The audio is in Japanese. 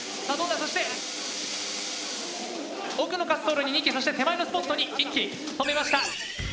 そして奥の滑走路に２機そして手前のスポットに１機止めました。